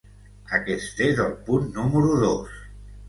Aquest és el punt número dos.